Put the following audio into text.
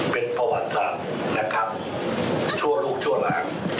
เป็นประวัติศาสตร์นะครับชั่วลูกชั่วหลาน